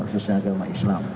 khususnya agama islam